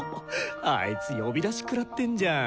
あいつ呼び出しくらってんじゃん。